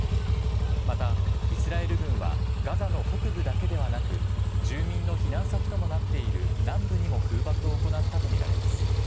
また、イスラエル軍は、ガザの北部だけではなく、住民の避難先ともなっている南部にも空爆を行ったと見られます。